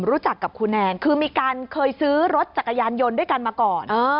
รู้จักกับครูแนนคือมีการเคยซื้อรถจักรยานยนต์ด้วยกันมาก่อน